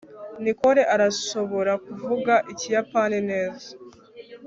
nicole arashobora kuvuga ikiyapani neza